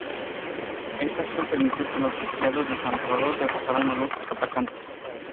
Esta acción permitió que los sitiados de San Salvador derrotaran a los atacantes.